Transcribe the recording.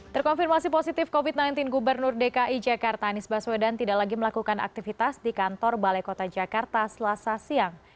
terkonfirmasi positif covid sembilan belas gubernur dki jakarta anies baswedan tidak lagi melakukan aktivitas di kantor balai kota jakarta selasa siang